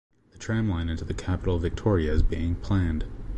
A tram line into the capital Victoria is being planned.